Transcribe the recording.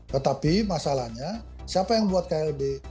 tetapi masalahnya siapa yang buat klb